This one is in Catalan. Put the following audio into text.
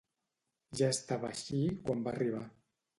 Ja estava així quan va arribar.